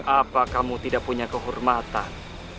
apa kamu tidak punya kehormatan